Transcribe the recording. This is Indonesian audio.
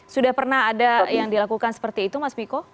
sudah pernah ada yang dilakukan seperti itu mas miko